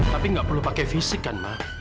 tapi tidak perlu pakai fisik kan ma